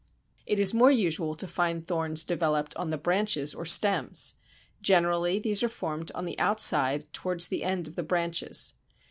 It is more usual to find thorns developed on the branches or stems. Generally these are formed on the outside towards the end of the branches.